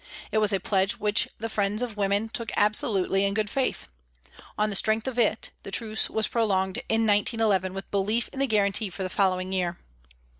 It was a pledge which the friends of women took absolutely in good faith. On the strength of it, the truce was prolonged in 1911 with belief in the guarantee for the following year.